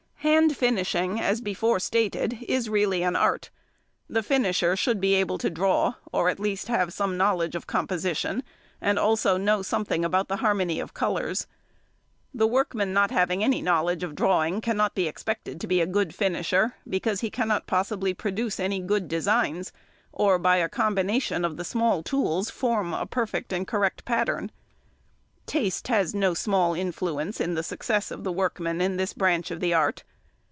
Hand finishing, as before stated, is really an art. The finisher should be able to draw, or at least have some knowledge of composition, and also know something about the harmony of colours. The workman not having any knowledge of drawing cannot expect to be a good finisher; because he cannot possibly produce any good designs, or by a combination of the small tools form a perfect and correct pattern. Taste has no small influence in the success of the workman in this branch of the art.